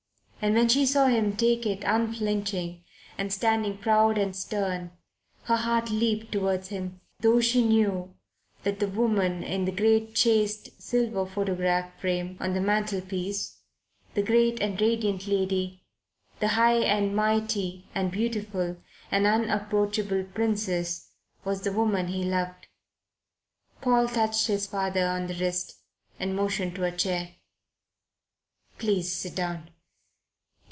And when she saw him take it unflinching and stand proud and stern, her heart leaped toward him, though she knew that the woman in the great chased silver photograph frame on the mantelpiece, the great and radiant lady, the high and mighty and beautiful and unapproachable Princess, was the woman he loved. Paul touched his father on the wrist, and motioned to a chair. "Please sit down.